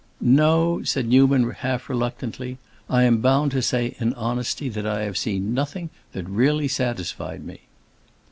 "No," said Newman, half reluctantly, "I am bound to say in honesty that I have seen nothing that really satisfied me."